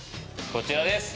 こちらです。